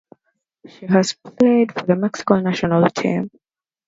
She has played for the Mexico national team.